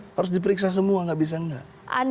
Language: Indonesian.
harus diperiksa semua nggak bisa nggak